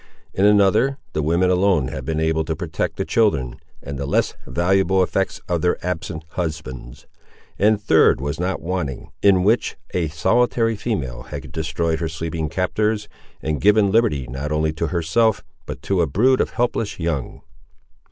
In another, the women alone had been able to protect the children, and the less valuable effects of their absent husbands; and a third was not wanting, in which a solitary female had destroyed her sleeping captors and given liberty not only to herself, but to a brood of helpless young.